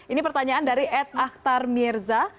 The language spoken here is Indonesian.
ini pertanyaan dari ed akhtar mirza